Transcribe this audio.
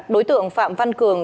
đối tượng phạm văn cường